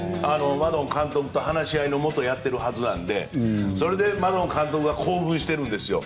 マドン監督と話し合いのもとやっているはずなのでそれでマドン監督が厚遇してるんですよ。